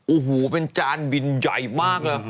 โอ้โหเป็นจานบินใหญ่มากเลย